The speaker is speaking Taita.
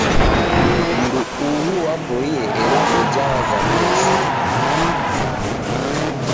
Mundu uhu wapoie ela uja wazamie shuu